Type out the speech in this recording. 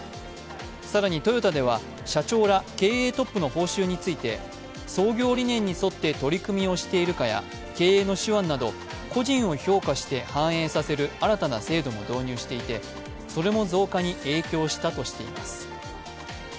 更にトヨタでは社長ら経営トップの報酬について創業理念に沿って取り組みをしているかや、経営の手腕など個人を評価して反映させる新たな制度も導入していてそれも増加に影響したとしています。